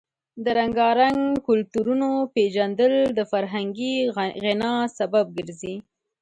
د رنګارنګ کلتورونو پیژندل د فرهنګي غنا سبب ګرځي.